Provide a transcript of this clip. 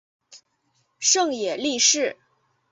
胜野莉世。